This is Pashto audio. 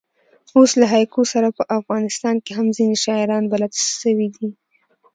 اوس له هایکو سره په افغانستان کښي هم ځیني شاعران بلد سوي دي.